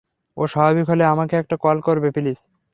ও স্বাভাবিক হলে আমাকে একটা কল করবে প্লিজ!